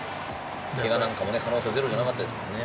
怪我なんかも可能性はゼロじゃなかったですもんね。